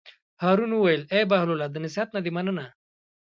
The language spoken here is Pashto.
هارون وویل: ای بهلوله د نصیحت نه دې مننه.